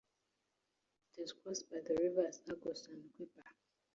It is crossed by the rivers Argos and Quipar.